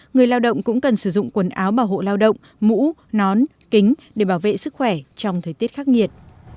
người lao động cũng cần sử dụng quần áo bảo hộ lao động mũ nón kính để bảo vệ sức khỏe trong thời tiết khắc nghiệt